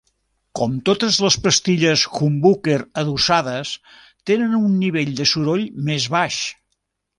Com totes les pastilles humbucker adossades, tenen un nivell de soroll més baix.